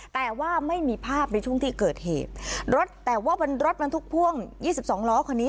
แต่ว่าไม่มีภาพในช่วงที่เกิดเหตุรถแต่ว่าบนรถบรรทุกพ่วง๒๒ล้อคันนี้